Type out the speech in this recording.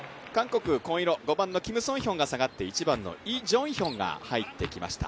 韓国、紺色、５番のキム・ソンヒョンが下がって１番のイ・ジョンヒョンが入ってきました。